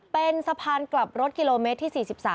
เป็นสะพานกลับรถกิโลเมตรที่๔๓